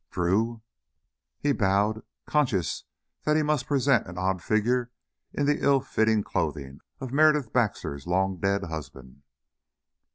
"Drew?" He bowed, conscious that he must present an odd figure in the ill fitting clothing of Meredith Barrett's long dead husband.